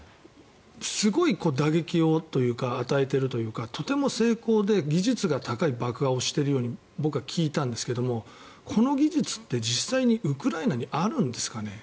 すごい打撃を与えているというかとても精巧で技術が高い爆破をしているように僕は聞いたんですがこの技術って実際にウクライナにあるんですかね。